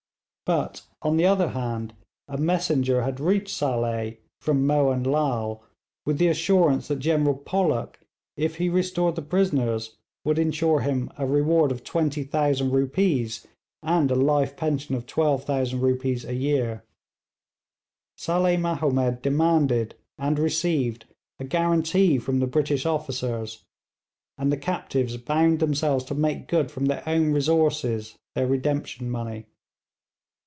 But on the other hand a messenger had reached Saleh from Mohun Lal with the assurance that General Pollock, if he restored the prisoners, would ensure him a reward of 20,000 rupees, and a life pension of 12,000 rupees a year. Saleh Mahomed demanded and received a guarantee from the British officers; and the captives bound themselves to make good from their own resources their redemption money.